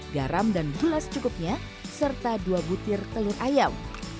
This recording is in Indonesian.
garam dan gula secukupnya serta dua butir telur ayam